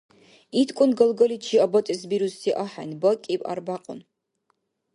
ИткӀун галгаличи абацӀес бируси ахӀен бакӀиб-арбякьун!